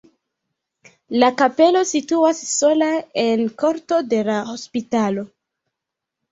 La kapelo situas sola en korto de la hospitalo.